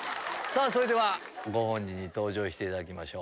それではご本人に登場していただきましょう。